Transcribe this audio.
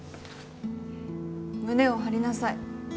胸を張りなさい。